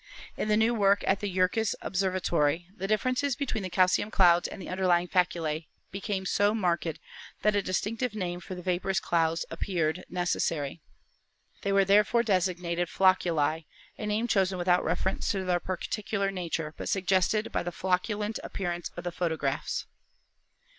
In the new work at the Yerkes Observatory the differences between the cal cium clouds and the underlying faculse became so marked that a distinctive name for the vaporous clouds appeared necessary. They were therefore designated flocculi, a name chosen without reference to their particular nature, but suggested by the flocculent appearance of the photo graphs."